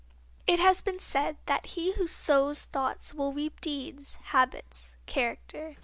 It has been said that he who sows thoughts will reap deeds, habits, character.